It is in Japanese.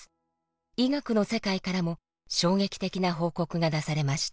医学の世界からも衝撃的な報告が出されました。